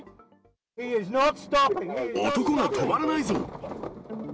男が止まらないぞ。